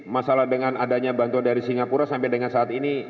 masalah dengan adanya bantuan dari singapura sampai dengan saat ini